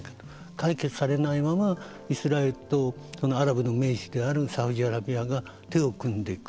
解決されないままイスラエルとアラブの盟主であるサウジアラビアが手を組んでいく。